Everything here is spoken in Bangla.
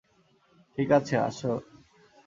ঠিক আছে, আসো।